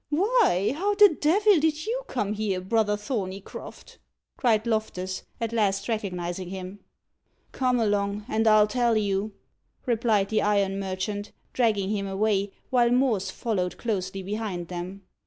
"Why, how the devil did you come here, brother Thorneycroft?" cried Loftus, at last recognising him. "Come along, and I'll tell you," replied the iron merchant, dragging him away, while Morse followed closely behind them.